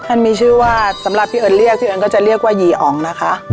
ท่านมีชื่อว่าสำหรับพี่เอิญเรียกพี่เอิญก็จะเรียกว่ายี่อ๋องนะคะยี่อ๋อง